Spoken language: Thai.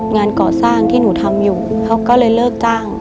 งานก่อสร้างที่หนูทำอยู่เขาก็เลยเลิกจ้าง